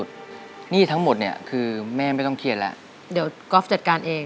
หนี้ทั้งหมดเนี่ยคือแม่ไม่ต้องเครียดแล้วเดี๋ยวก๊อฟจัดการเอง